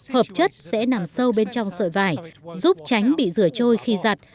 hợp chất sẽ nằm sâu bên trong sợi vải giúp tránh bị rửa trôi khi giặt